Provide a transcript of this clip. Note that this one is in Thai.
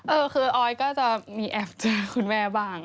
เออคือออยก็จะมีแอบเจอคุณแม่บ้าง